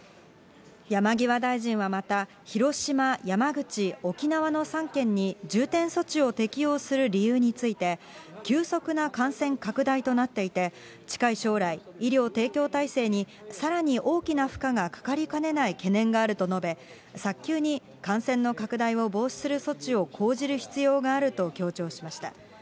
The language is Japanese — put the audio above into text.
山際大臣はまた、広島、山口、沖縄の３県に、重点措置を適用する理由について、急速な感染拡大となっていて、近い将来、医療提供体制にさらに大きな負荷がかかりかねない懸念があると述べ、早急に感染の拡大を防止する措置を講じる必要があると強調しました。